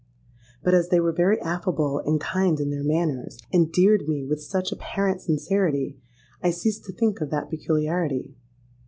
But as they were very affable and kind in their manners, and 'dear'd' me with much apparent sincerity, I ceased to think of that peculiarity.